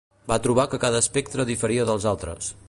Va trobar que cada espectre diferia dels altres.